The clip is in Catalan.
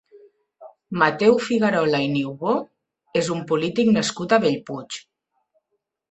Mateu Figuerola i Niubó és un polític nascut a Bellpuig.